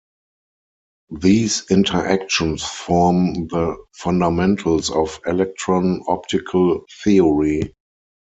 These interactions form the fundamentals of electron optical theory.